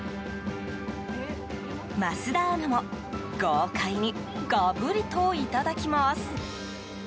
桝田アナも豪快にがぶりといただきます。